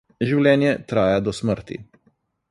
Življenje traja do smrti.